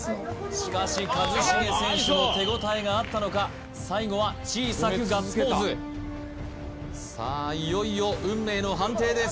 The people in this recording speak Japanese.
しかし一茂選手も手応えがあったのか最後は小さくガッツポーズさあいよいよ運命の判定です